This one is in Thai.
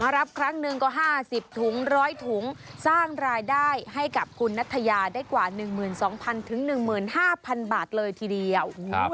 มารับครั้งหนึ่งก็ห้าสิบถุงร้อยถุงสร้างรายได้ให้กับคุณนัทยาได้กว่าหนึ่งหมื่นสองพันถึงหนึ่งหมื่นห้าพันบาทเลยทีเดียวครับ